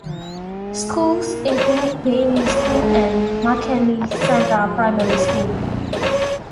Schools include Bayuni School and Makeni Centre Primary School.